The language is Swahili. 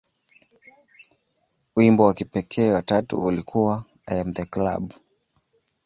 Wimbo wa kipekee wa tatu ulikuwa "I Am The Club".